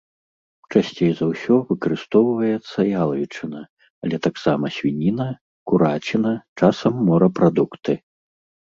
Часцей за ўсё выкарыстоўваецца ялавічына, але таксама свініна, кураціна, часам морапрадукты.